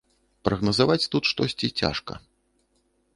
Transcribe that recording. Прагназаваць тут штосьці цяжка.